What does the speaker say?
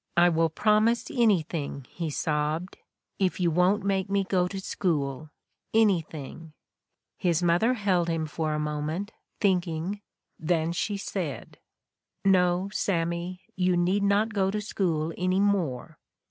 ' I will promise anything, ' he sobbed, 40 The Ordeal of Mark Twain 'if you won't make me go to school! Anything!' His mother held him for a moment, thinking, then she said : 'No, Sammy, you need not go to school any more.